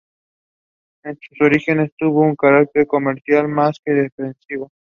En sus orígenes tuvo un carácter comercial más que festivo.